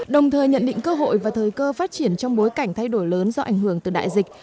đồng thời nhận định cơ hội và thời cơ phát triển trong bối cảnh thay đổi lớn do ảnh hưởng từ đại dịch